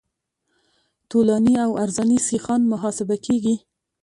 طولاني او عرضاني سیخان محاسبه کیږي